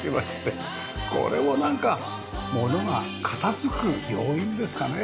これもなんか物が片付く要因ですかね。